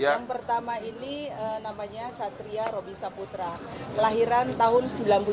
yang pertama ini namanya satria robisa putra kelahiran tahun sembilan puluh tujuh